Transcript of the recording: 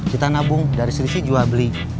kita nabung dari selisih jual beli